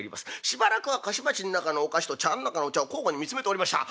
しばらくは菓子鉢ん中のお菓子と茶わんの中のお茶を交互に見つめておりました。